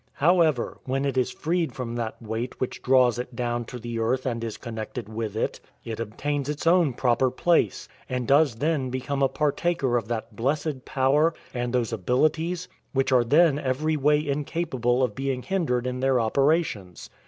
However, when it is freed from that weight which draws it down to the earth and is connected with it, it obtains its own proper place, and does then become a partaker of that blessed power, and those abilities, which are then every way incapable of being hindered in their operations.